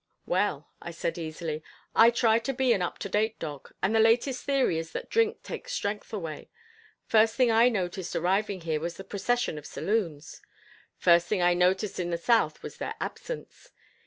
"Well," I said easily, "I try to be an up to date dog, and the latest theory is that drink takes strength away. First thing I noticed arriving here was the procession of saloons. First thing I noticed in the South was their absence.